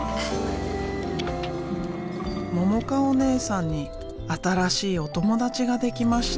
ももかおねえさんに新しいお友達ができました。